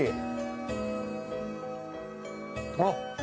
あっ！